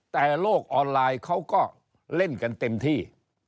แต่โลกออนไลน์เขาก็เล่นกันเต็มที่